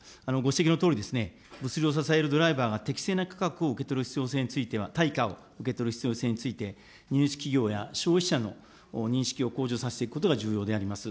ご指摘のとおり物流を支えるドライバーが適正な価格を受け取る必要性については、対価を受け取る必要性について、荷主企業や消費者の認識を向上させていくことが重要であります。